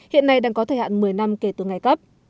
hiện nay đang có thời hạn một mươi năm kể từ ngày cấp